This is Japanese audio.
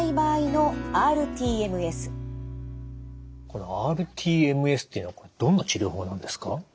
このｒＴＭＳというのはどんな治療法なんですか？